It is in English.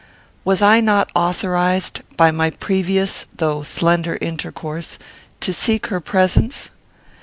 Was I not authorized, by my previous though slender intercourse, to seek her presence?